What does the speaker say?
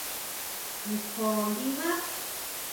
¿Ntjo ndibá?